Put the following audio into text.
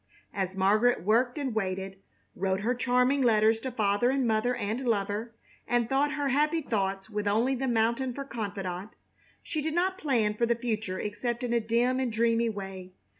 As Margaret worked and waited, wrote her charming letters to father and mother and lover, and thought her happy thoughts with only the mountain for confidant, she did not plan for the future except in a dim and dreamy way.